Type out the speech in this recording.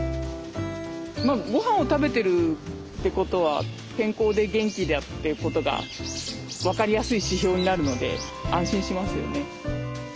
ごはんを食べてるってことは健康で元気だってことが分かりやすい指標になるので安心しますよね。